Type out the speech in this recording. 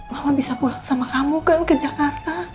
mohon bisa pulang sama kamu kan ke jakarta